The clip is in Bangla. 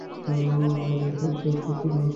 বালির হাঁস ছোট পুকুর বা হ্রদের কাছাকাছি থাকে।